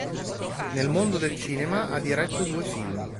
Nel mondo del cinema ha diretto due film.